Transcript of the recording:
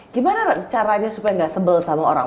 gimana caranya supaya nggak sebel sama orang